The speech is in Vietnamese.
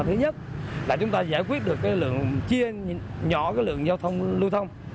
thứ nhất là chúng ta giải quyết được cái lượng chia nhỏ cái lượng giao thông lưu thông